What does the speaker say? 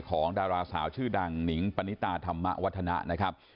ของดาราสาวชื่อดังนิ้งปณิตาธรรมวัฒนะ